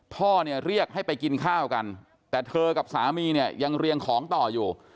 พ่อเนี่ยเรียกให้ไปกินข้าวกันแต่เธอกับสามีเนี่ยยังเรียงของต่ออยู่